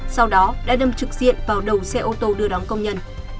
sau đó đã đâm trực diện vào đầu xe ô tô đưa đón công nhân